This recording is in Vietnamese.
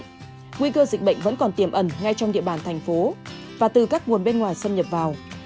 tuy nhiên nguy cơ dịch bệnh vẫn còn tiềm ẩn ngay trong địa bàn thành phố và từ các nguồn bên ngoài xâm nhập vào